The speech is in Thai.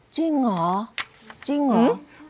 จริงเหรอจริงเหรอ